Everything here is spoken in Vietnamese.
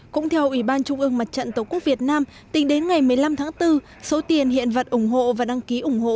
cũng theo ủy ban trung ương mặt trận tổ quốc việt nam tính đến ngày một mươi năm tháng bốn số tiền hiện vật ủng hộ và đăng ký ủng hộ